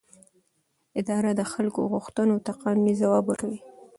اداره د خلکو غوښتنو ته قانوني ځواب ورکوي.